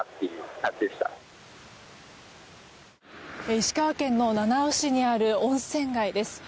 石川県の七尾市にある温泉街です。